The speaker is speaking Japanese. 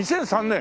２００３年。